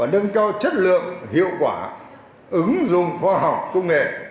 nâng cao chất lượng hiệu quả ứng dụng khoa học công nghệ